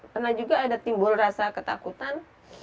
pernah juga ada timbul rasa ketakutan